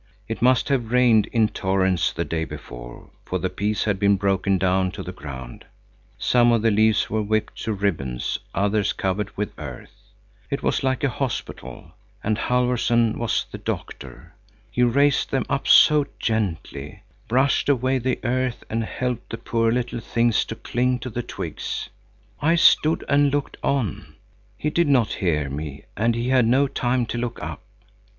It must have rained in torrents the day before, for the peas had been broken down to the ground; some of the leaves were whipped to ribbons, others covered with earth. It was like a hospital, and Halfvorson was the doctor. He raised them up so gently, brushed away the earth and helped the poor little things to cling to the twigs. I stood and looked on. He did not hear me, and he had no time to look up.